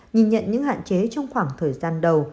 nhìn nhận những hạn chế trong khoảng thời gian đầu